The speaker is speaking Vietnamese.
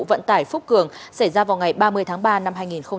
vận tải phúc cường xảy ra vào ngày ba mươi tháng ba năm hai nghìn hai mươi